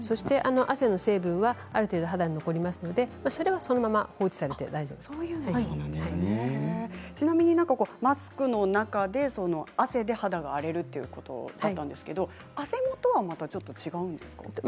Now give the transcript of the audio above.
汗の成分がある程度肌に残りますので、そのままちなみにマスクの中で汗で肌が荒れるということだったんですけどあせもとは、また違うんですか。